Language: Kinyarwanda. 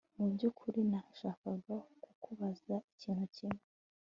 Mubyukuri nashakaga kukubaza ikintu kimwe